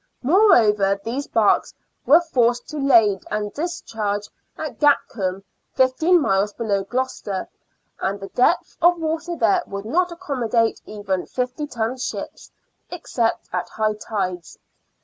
Moreover, these barks were forced to lade and 46 SIXTEENTH CENTURY BRISTOL. discharge at Gatcombe, fifteen miles below Gloucester, and the depth of water there would not accommodate even 50 ton ships, except at high tides.